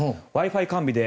Ｗｉ−Ｆｉ完備で。